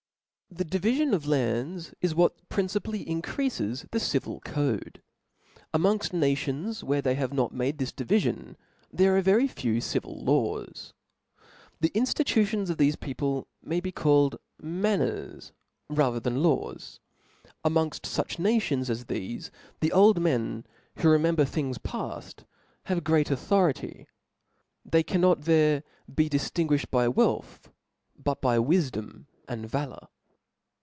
'Tp H E divifion of lands ia what principally ■■" increafes the civil cods. Amongfl nations tvhere they have not made this divifion, there are very few civil laws. The iKftitutions of thefc people may be called planners rather than laws. Arnongft fuch nations as thefe, the old men, who remember things paft, have great authority j they cannot there be diftinguiflied by wealth, buc by wifdom and valour.